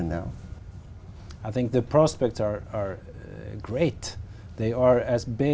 nhưng trong cuộc sống của tôi